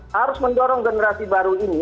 harus mendorong generasi baru ini